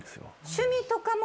趣味とかも特に。